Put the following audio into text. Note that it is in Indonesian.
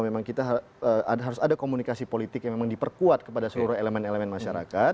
maksudnya itu message nya bahwa memang kita harus ada komunikasi politik yang memang diperkuat kepada seluruh elemen elemen masyarakat